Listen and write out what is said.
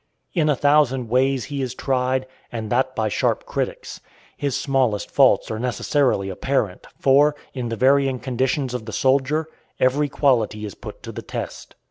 In a thousand ways he is tried, and that by sharp critics. His smallest faults are necessarily apparent, for, in the varying conditions of the soldier, every quality is put to the test.